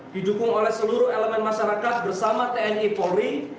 didukung oleh seluruh elemen masyarakat bersama tni polri